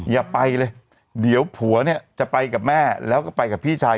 อย่าไปเลยเดี๋ยวผัวเนี่ยจะไปกับแม่แล้วก็ไปกับพี่ชาย